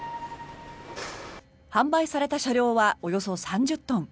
販売された車両はおよそ３０トン。